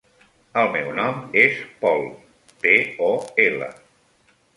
El meu nom és Pol: pe, o, ela.